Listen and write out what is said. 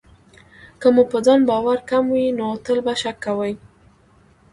که مو په ځان باور کم وي، نو تل به شک کوئ.